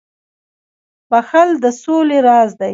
• بخښل د سولي راز دی.